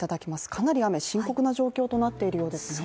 かなり雨、深刻な状況となっているようですね。